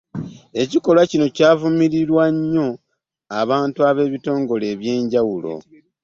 Ekikolwa kino kyavumirirwa nnyo abantu n'ebitongole eby'enjawulo